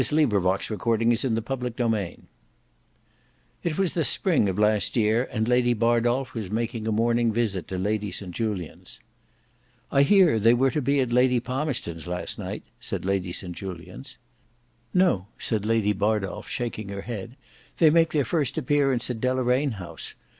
"Never," murmured Sybil. Book 6 Chapter 13 It was the Spring of last year, and Lady Bardolf was making a morning visit to Lady St Julians. "I heard they were to be at Lady Palmerston's last night," said Lady St Julians. "No," said Lady Bardolf shaking his head, "they make their first appearance at Deloraine House.